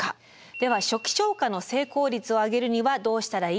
では初期消火の成功率を上げるにはどうしたらいいのか。